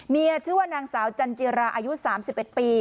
เมียชื่อว่านางสาวจันจิราอายุสามสิบเอ็ดปี